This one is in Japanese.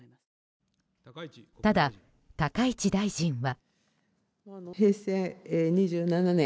ただ、高市大臣は。